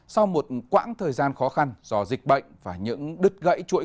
sau một quãng thời gian khó khăn do dịch bệnh và những đứt gãy chuỗi